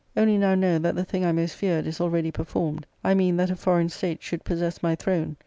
Only now know that the thing I most feared is already performed ; I mean that a. foreign state should possess my throne.